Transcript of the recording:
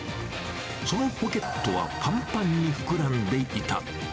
そのポケットはぱんぱんに膨らんでいた。